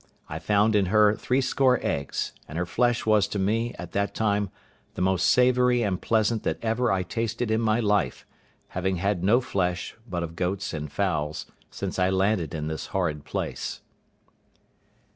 I found in her three score eggs; and her flesh was to me, at that time, the most savoury and pleasant that ever I tasted in my life, having had no flesh, but of goats and fowls, since I landed in this horrid place.